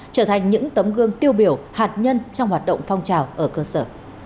trở thành những tấm gương tiêu biểu hạt nhân trong hoạt động phong trào ở cơ sở